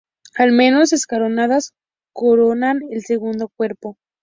Almenas escalonadas coronan el segundo cuerpo.